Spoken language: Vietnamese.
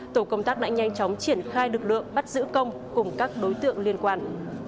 tổ công tác đã nhanh chóng triển khai lực lượng bắt giữ công cùng các đối tượng liên quan